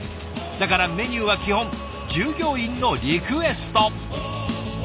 だからメニューは基本従業員のリクエスト。